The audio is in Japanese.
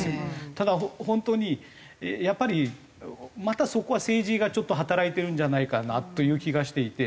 ただ本当にやっぱりまたそこは政治がちょっと働いてるんじゃないかなという気がしていて。